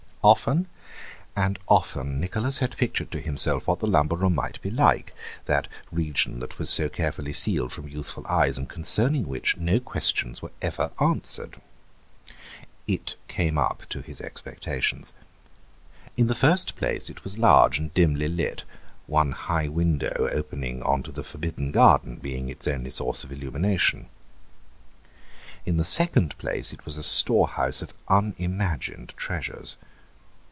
Often and often Nicholas had pictured to himself what the lumber room might be like, that region that was so carefully sealed from youthful eyes and concerning which no questions were ever answered. It came up to his expectations. In the first place it was large and dimly lit, one high window opening on to the forbidden garden being its only source of illumination. In the second place it was a storehouse of unimagined treasures.